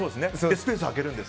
スペース空けるんです。